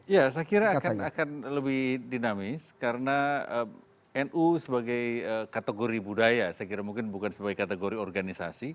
ya saya kira akan lebih dinamis karena nu sebagai kategori budaya saya kira mungkin bukan sebagai kategori organisasi